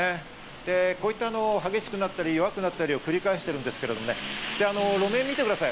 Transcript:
で、こういった激しくなったり弱くなったりを繰り返してるんですけどね、路面を見てください。